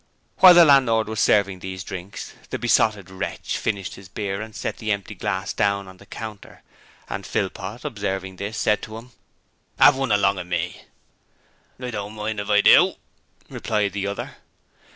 While the landlord was serving these drinks the Besotted Wretch finished his beer and set the empty glass down on the counter, and Philpot observing this, said to him: ''Ave one along o' me?' 'I don't mind if I do,' replied the other.